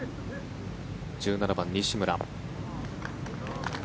１７番、西村。